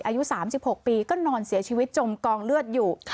อายุ๓๖ปีก็นอนเสียชีวิตจมกองเลือดอยู่